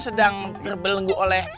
sedang terbelenggu oleh